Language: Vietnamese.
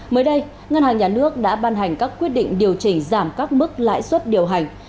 mới đây ngân hàng nhà nước đã ban hành các quyết định điều chỉnh giảm các mức lãi suất điều hành